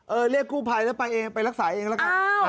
เรียกกู้ภัยแล้วไปเองไปรักษาเองแล้วกัน